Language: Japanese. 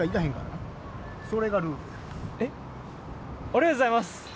ありがとうございます！